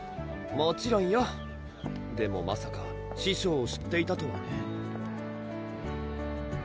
もちろんよでもまさか師匠を知っていたとはね